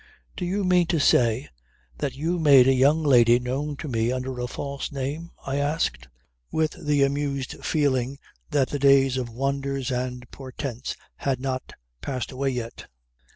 "Do you mean to say that you made a young lady known to me under a false name?" I asked, with the amused feeling that the days of wonders and portents had not passed away yet.